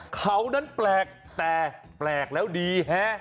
เขานั้นแปลกแต่แปลกแล้วดีฮะ